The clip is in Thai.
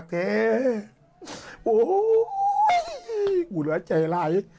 กูเหลือใจละไง